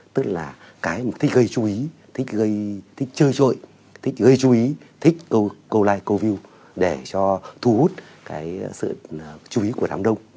tức là cái thích gây chú ý thích chơi trội thích gây chú ý thích câu like câu view để cho thu hút cái sự chú ý của đám đông